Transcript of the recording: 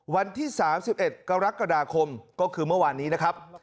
วันที่๓๑กรกฎาคมก็คือเมื่อวานนี้นะครับ